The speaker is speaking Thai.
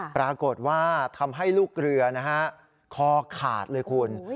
ปรากฏว่าทำให้ลูกเรือนะฮะคอขาดเลยคุณ